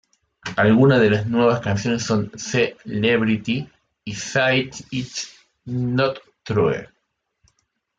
Algunas de las nuevas canciones son "C-lebrity" y "Say it's not true".